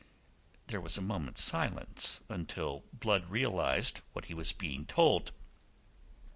There was a moment's silence, until Blood realized what he was being told.